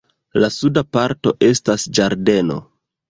La suda parto estas ĝardeno.